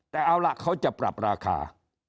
แต่เอาล่ะเขาจะปรับราคา